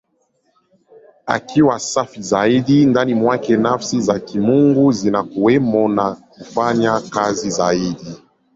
Akiwa safi zaidi, ndani mwake Nafsi za Kimungu zinakuwemo na kufanya kazi zaidi.